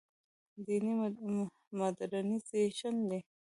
دیني مډرنیزېشن دی.